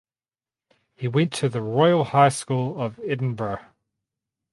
He went to the Royal High School of Edinburgh.